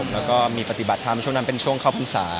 แล้วก็มีปฏิบัติธรรมช่วงนั้นเป็นช่วงเข้าพรรษา